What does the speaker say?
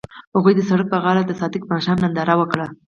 هغوی د سړک پر غاړه د صادق ماښام ننداره وکړه.